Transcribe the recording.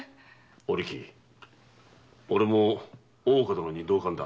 お力俺も大岡殿に同感だ。